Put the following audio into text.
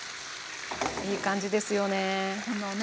いい感じですよね。